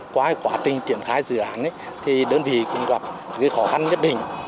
qua quá trình triển khai dự án thì đơn vị cũng gặp khó khăn nhất định